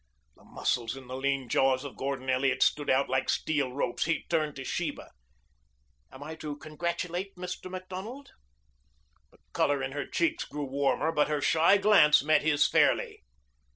The muscles in the lean jaws of Gordon Elliot stood out like steel ropes. He turned to Sheba. "Am I to congratulate Mr. Macdonald?" The color in her cheeks grew warmer, but her shy glance met his fairly.